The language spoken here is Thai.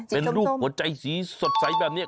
เป็นรูปหัวใจสีสดใสแบบนี้